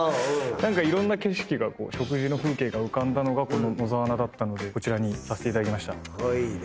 何かいろんな景色が食事の風景が浮かんだのがこの野沢菜だったのでこちらにさせていただきました。